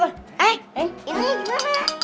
eh ini gimana